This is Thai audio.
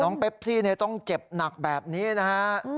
เปปซี่ต้องเจ็บหนักแบบนี้นะฮะ